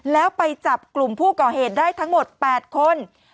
แล้วไปจับกลุ่มผู้ก่อเหตุได้ทั้งหมด๘คน